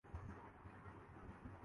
جس کلب یا سرائے میں قیام ہوتا ہے۔